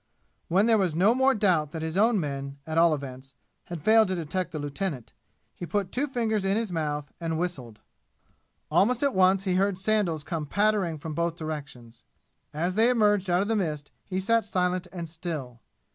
When there was no more doubt that his own men, at all events, had failed to detect the lieutenant, he put two fingers in his mouth and whistled. Almost at once he heard sandals come pattering from both directions. As they emerged out of the mist he sat silent and still.